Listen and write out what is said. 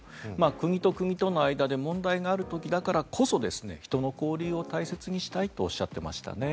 国と国との間で問題がある時だからこそ人の交流を大切にしたいとおっしゃっていましたね。